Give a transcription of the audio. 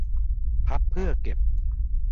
พับเพื่อเก็บ